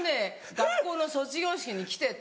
「学校の卒業式に来て」って。